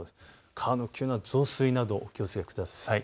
川の急な増水などにお気をつけください。